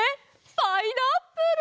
パイナップル！